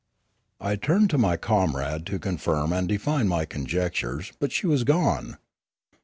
I turned to my comrade to confirm and define my conjectures, but she was gone.